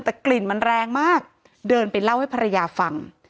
แต่กลิ่นมันแรงมากเดินไปเล่าให้ภรรยาฟัง